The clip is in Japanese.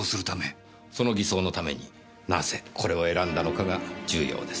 その偽装のためになぜこれを選んだのかが重要です。